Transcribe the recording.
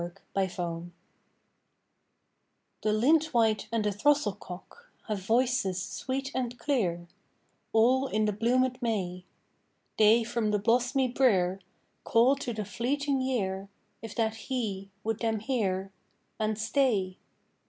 XXIV =Song= I The lintwhite and the throstlecock Have voices sweet and clear; All in the bloomèd May. They from the blosmy brere Call to the fleeting year, If that he would them hear And stay.